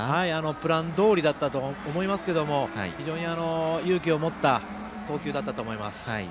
プランどおりだったと思いますけれども非常に勇気を持った投球だったと思います。